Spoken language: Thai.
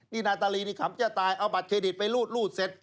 นี่นาตาลีนี่ขำจะตายเอาบัตรเครดิตไปรูดเสร็จ